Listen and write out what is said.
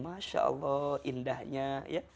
masya allah indahnya ya